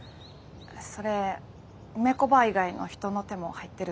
それ梅子ばぁ以外の人の手も入ってると思うから。